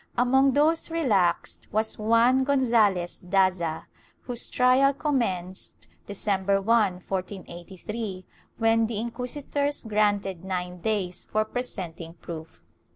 Among those relaxed was Juan Gonzalez Daza, whose trial commenced December 1, 1483, when the inquisitors granted nine days for presenting proof.